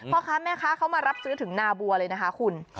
พ่อค้าแม่ค้าเขามารับซื้อถึงนาบัวเลยนะคะคุณ